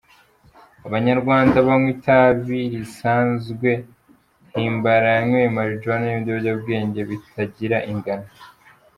Abanyarwanda banywa itabi risanzwe, Himbara yanyweye marijuana n’ibindi biyobyabwenge bitagira ingano.